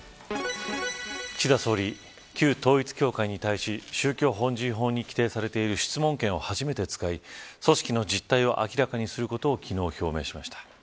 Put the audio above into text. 岸田総理、旧統一教会に対し宗教法人法に規定されてる質問権を初めて使い組織の実態を明らかにすることを昨日、表明しました。